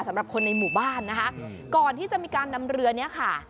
สำหรับคนในหมู่บ้านนะคะก่อนที่จะมีการนำเรือนี้ค่ะ